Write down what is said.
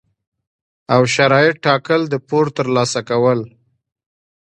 او شرایط ټاکل، د پور ترلاسه کول،